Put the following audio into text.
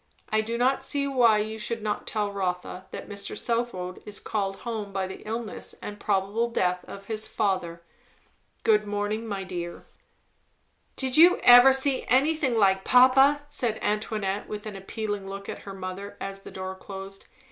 I do not see why you should not tell Rotha that Mr. Southwode is called home by the illness and probable death of his father. Good morning, my dear!" "Did you ever see anything like papa!" said Antoinette with an appealing look at her mother, as the door closed.